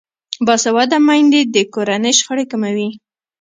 باسواده میندې د کورنۍ شخړې کموي.